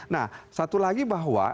nah satu lagi bahwa